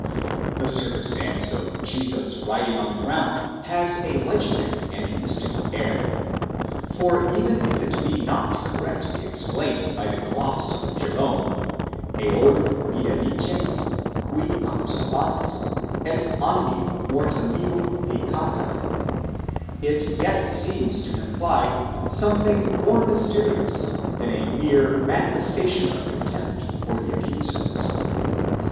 The circumstance of Jesus writing on the ground has a legendary and mystical air, for even if it be not correctly explained by the gloss of Jerome: eorum videlicet, gui accusabant, et omnium mortalium peccata, it yet seems to imply something more mysterious than a mere manifestation of contempt for the accusers.